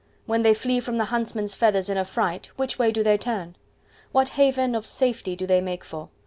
When they flee from the huntsman's feathers in affright, which way do they turn? What haven of safety do they make for?